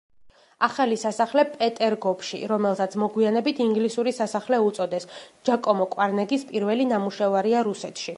ახალი სასახლე პეტერგოფში, რომელსაც მოგვიანებით ინგლისური სასახლე უწოდეს, ჯაკომო კვარნეგის პირველი ნამუშევარია რუსეთში.